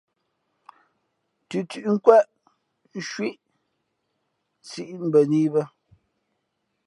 Thʉthʉ̌ nkwēʼ, ncwī síʼ mbᾱ nά í bᾱ.